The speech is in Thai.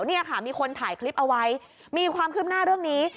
นี่ค่ะมีคนถ่ายคลิปเอาไว้มีความคืบหน้าเรื่องนี้